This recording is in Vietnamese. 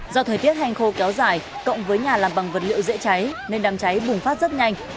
do thời tiết hành khô kéo dài cộng với nhà làm bằng vật liệu dễ cháy nên đám cháy bùng phát rất nhanh